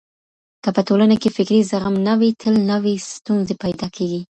که په ټولنه کي فکري زغم نه وي تل نوې ستونزې پيدا کېږي.